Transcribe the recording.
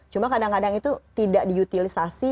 cuma kadang kadang itu tidak diutilisasi